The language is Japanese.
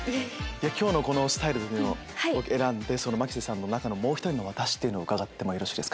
今日のこのスタイルを選んで牧瀬さんの中の「もうひとりのワタシ。」というのを伺ってもよろしいですか？